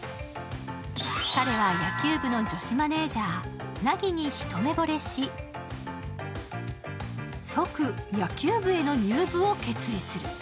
彼は野球部の女子マネージャー凪に一目ぼれし即、野球部への入部を決意する。